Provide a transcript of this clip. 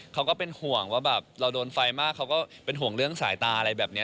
เขาก็เป็นห่วงว่าแบบเราโดนไฟมากเขาก็เป็นห่วงเรื่องสายตาอะไรแบบนี้